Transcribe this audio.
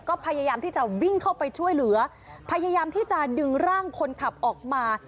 ก็พยายามที่จะวิ่งเข้าไปช่วยเหลือพยายามที่จะดึงร่างคนขับออกมา